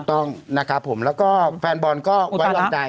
ต้องนะครับผมแล้วก็แฟนบอลก็ไว้วางใจ